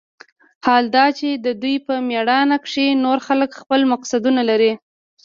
حال دا چې د دوى په مېړانه کښې نور خلق خپل مقصدونه لري.